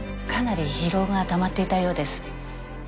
かなり疲労がたまっていたようです。